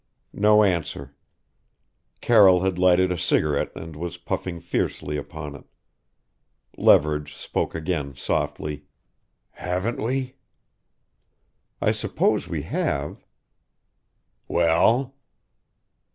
No answer. Carroll had lighted a cigarette and was puffing fiercely upon it. Leverage spoke again softly "Haven't we?" "I suppose we have " "Well?"